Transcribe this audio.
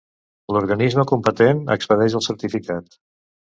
L'organisme competent expedeix el certificat.